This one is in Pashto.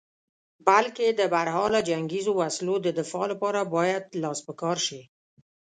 بلکې د برحاله جنګیزو وسلو د دفاع لپاره باید لاس په کار شې.